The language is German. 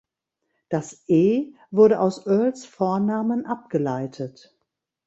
Das „E“ wurde aus Earls Vornamen abgeleitet.